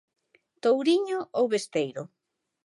Touriño ou Besteiro?